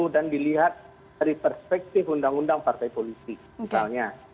dan dilihat dari perspektif undang undang partai polisi misalnya